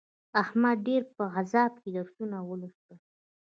احمد ډېر په عذاب کې درسونه ولوستل.